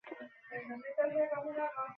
যার মানে আমি অন্য কিছু, তাই না?